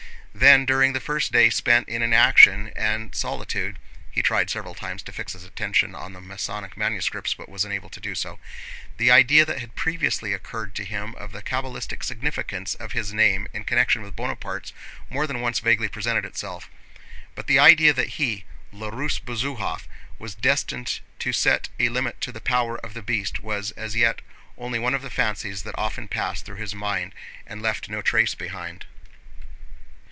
Then during the first day spent in inaction and solitude (he tried several times to fix his attention on the Masonic manuscripts, but was unable to do so) the idea that had previously occurred to him of the cabalistic significance of his name in connection with Bonaparte's more than once vaguely presented itself. But the idea that he, L'russe Besuhof, was destined to set a limit to the power of the Beast was as yet only one of the fancies that often passed through his mind and left no trace behind.